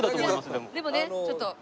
でもねちょっと。